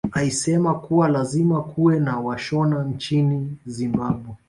Aisema kuwa lazima kuwe na washona nchini Zimbabwe